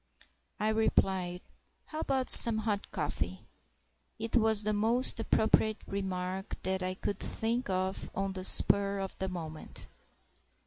I replied, "How about some hot coffee?" It was the most appropriate remark that I could think of on the spur of the moment.